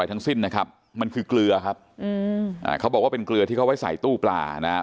ทั้งสิ้นนะครับมันคือเกลือครับอืมอ่าเขาบอกว่าเป็นเกลือที่เขาไว้ใส่ตู้ปลานะครับ